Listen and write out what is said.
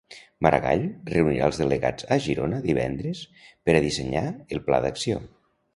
Maragall reunirà els delegats a Girona divendres per a dissenyar el pla d'acció.